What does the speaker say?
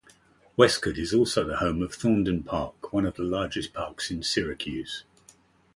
Westcott is also home to Thornden Park, one of the largest parks in Syracuse.